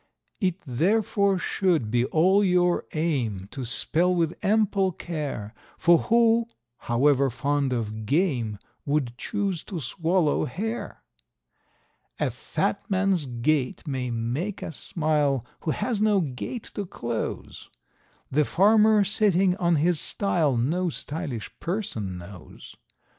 It therefore should be all your aim to spell with ample care; For who, however fond of game, would choose to swallow hair? A fat man's gait may make us smile, who has no gate to close; The farmer, sitting on his stile no _sty_lish person knows.